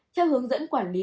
theo hướng dẫn quản lý